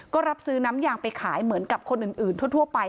ก็รับซื้อน้ำยางไปขายเหมือนกับคนอื่นทั่วไป